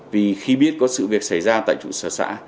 vì khi biết có sự việc xảy ra tại trụ sở xã